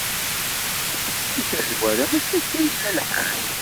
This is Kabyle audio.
Di tazwara, mačči akka i yella lḥal.